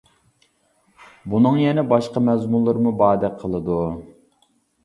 بۇنىڭ يەنە باشقا مەزمۇنلىرىمۇ باردەك قىلىدۇ.